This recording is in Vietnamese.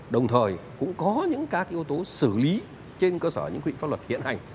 đồng thời cũng có những các yếu tố xử lý trên cơ sở những quy định pháp luật hiện hành